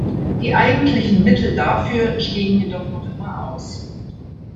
Die eigentlichen Mittel dafür stehen jedoch noch immer aus!